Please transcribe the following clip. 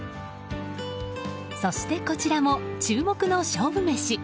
そして、こちらも注目の勝負メシ。